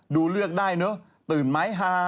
เลือกได้เนอะตื่นไม้ฮา